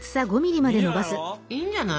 いいんじゃない。